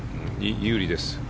有利です。